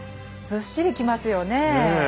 ずっしりきますよねえ。